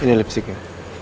ini lipstick ya